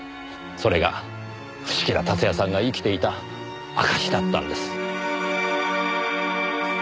それが伏木田辰也さんが生きていた証しだったんです。